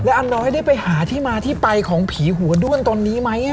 อาน้อยได้ไปหาที่มาที่ไปของผีหัวด้วนตอนนี้ไหม